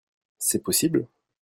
C'est possible ?